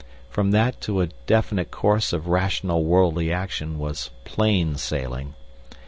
From that to a definite course of rational worldly action was plain sailing.